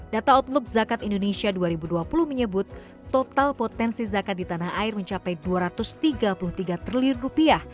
data outlook zakat indonesia dua ribu dua puluh menyebut total potensi zakat di tanah air mencapai dua ratus tiga puluh tiga triliun rupiah